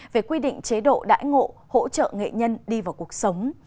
về quy định chế độ đãi ngộ hỗ trợ nghệ nhân đi vào cuộc sống